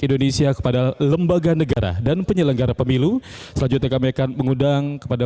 indonesia kepada lembaga negara dan penyelenggara pemilu selanjutnya kami akan mengundang kepada